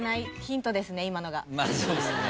まあそうですね。